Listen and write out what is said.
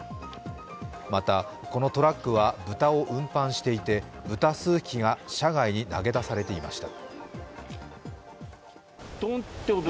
またこのトラックは豚を運転していて豚数匹が車外に投げ出されていました。